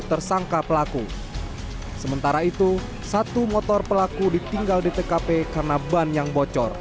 tersangka pelaku sementara itu satu motor pelaku ditinggal di tkp karena ban yang bocor